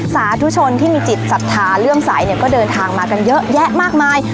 สาธุชนที่มีจิตศรัทธาเลื่อมใสเนี่ยก็เดินทางมากันเยอะแยะมากมาย